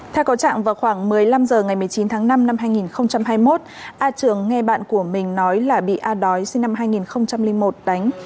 theo có trạng vào khoảng một mươi năm h ngày một mươi chín tháng năm năm hai nghìn hai mươi một a trường nghe bạn của mình nói là bị a đói sinh năm hai nghìn một đánh